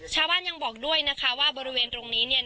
ชาวบ้านยังบอกด้วยนะคะว่าบริเวณตรงนี้เนี่ย